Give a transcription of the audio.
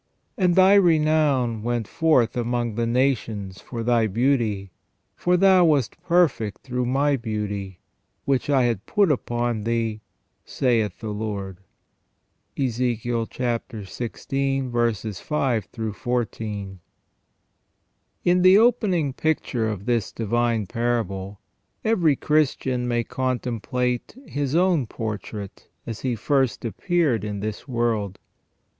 And thy renown went forth among the nations for thy beauty ; for thou wast perfect through My beauty, which I had put upon thee, saith the Lord." — EzECHiEL xvi. 5 14. IN the opening picture of this divine parable every Christian may comtemplate his own portrait as he first appeared in this world.